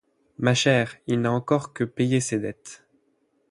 Ma chère, il n’a encore que payé mes dettes...